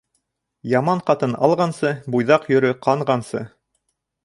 Яман ҡатын алғансы, буйҙаҡ йөрө ҡанғансы.